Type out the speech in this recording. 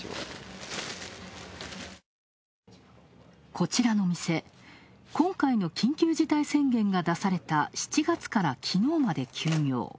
こちらの店、今回の緊急事態宣言が出された７月から、きのうまで休業。